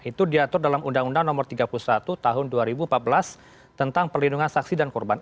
itu diatur dalam undang undang nomor tiga puluh satu tahun dua ribu empat belas tentang perlindungan saksi dan korban